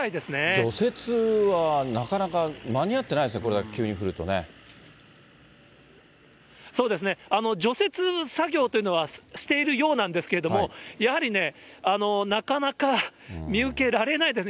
除雪はなかなか、間に合ってないですね、これだけ急に降るとそうですね、除雪作業というのはしているようなんですけれども、やはりね、なかなか見受けられないですね。